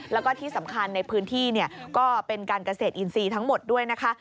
แล้วก็ที่สำคัญในพื้นที่ก็เป็นการเกษตรอินทรีย์ทั้งหมดด้วยนะคะ